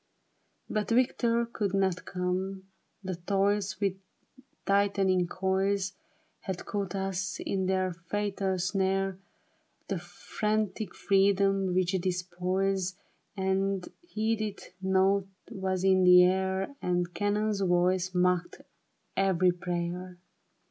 But V^ictor could not come, the toils With tightening coils Had caught us in their fatal snare ; The frantic freedom which despoils And heedeth nought, was in the air. And cannon's voice mocked every prayer.